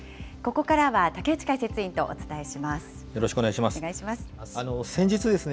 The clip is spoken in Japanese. ここからは竹内解説委員とお伝えよろしくお願いします。